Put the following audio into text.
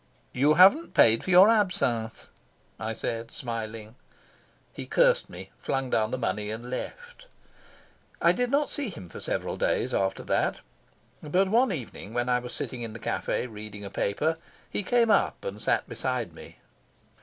"You haven't paid for your absinthe," I said, smiling. He cursed me, flung down the money and left. I did not see him for several days after that, but one evening, when I was sitting in the cafe, reading a paper, he came up and sat beside me.